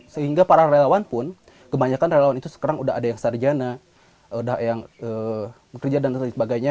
sehingga para relawan pun kebanyakan relawan itu sekarang sudah ada yang sarjana sudah ada yang bekerja dan lain sebagainya